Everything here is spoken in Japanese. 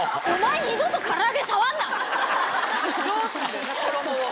どうすんだよな衣を。